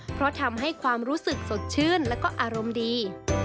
เพราะทำให้ความรู้สึกสดชื่นแล้วก็อารมณ์ดี